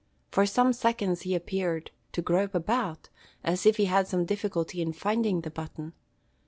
For some seconds he appeared, to grope about, as if he had some difficulty in finding the button.